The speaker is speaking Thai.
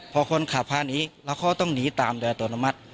พอคนขับพาหนีแล้วเขาต้องหนีตามโดยอัตโนมัติ